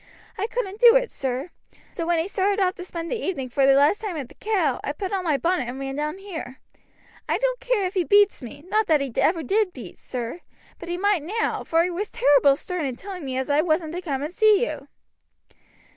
I couldn't do it, sir. So when he started off to spend the evening for the last time at the 'Cow' I put on my bonnet and ran down here. I don't care if he beats me not that he ever did beat sir, but he might now for he was terrible stern in telling me as I wasn't to come and see you."